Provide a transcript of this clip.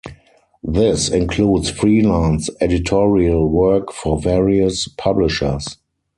This includes freelance editorial work for various publishers.